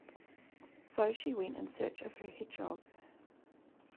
So she went in search of her hedgehog.